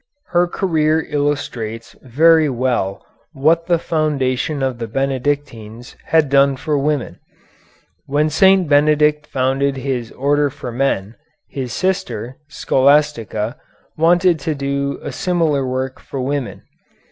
Her career illustrates very well what the foundation of the Benedictines had done for women. When St. Benedict founded his order for men, his sister, Scholastica, wanted to do a similar work for women.